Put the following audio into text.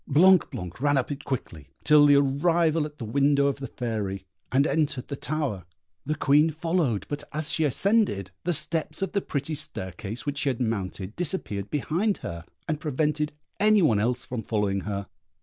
Blanc blanc ran up it quickly, till the arrival at the window of the Fairy, and entered the tower: the Queen followed, but as she ascended, the steps of the pretty staircase which she had mounted disappeared behind her, and prevented any one else from following her.